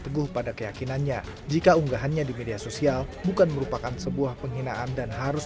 teguh pada keyakinannya jika unggahannya di media sosial bukan merupakan sebuah penghinaan dan harus